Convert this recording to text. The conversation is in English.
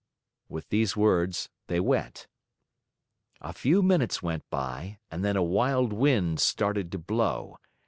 With these words they went. A few minutes went by and then a wild wind started to blow.